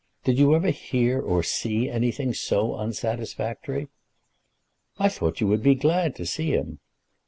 Did you ever hear or see anything so unsatisfactory?" "I thought you would be glad to see him."